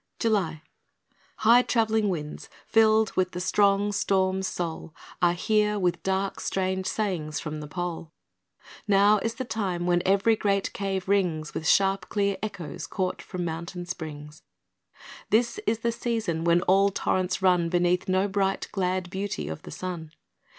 July High travelling winds, filled with the strong storm's soul, Are here, with dark, strange sayings from the Pole; Now is the time when every great cave rings With sharp, clear echoes caught from mountain springs; This is the season when all torrents run Beneath no bright, glad beauty of the sun.